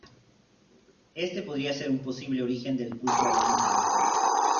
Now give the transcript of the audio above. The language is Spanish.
Este podría ser un posible origen del culto al lingam.